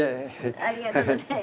ありがとうございます。